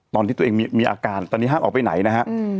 ตอนที่ตัวเองมีอาการตอนนี้ห้ามออกไปไหนนะฮะ